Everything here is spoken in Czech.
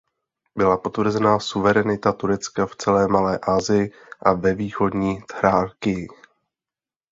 Byla potvrzena suverenita Turecka v celé Malé Asii a ve východní Thrákii.